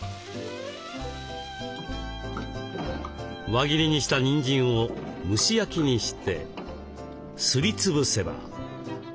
輪切りにしたにんじんを蒸し焼きにしてすり潰せば。